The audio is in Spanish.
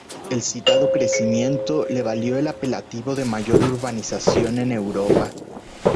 El citado crecimiento le valió el apelativo de mayor urbanización en Europa.